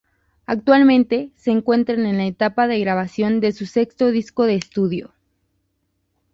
Actualmente se encuentran en la etapa de grabación de su sexto disco de estudio.